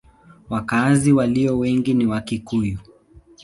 Wakazi walio wengi ni Wakikuyu.